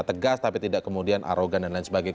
tegas tapi tidak kemudian arogan dan lain sebagainya